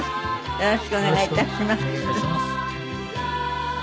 よろしくお願いします。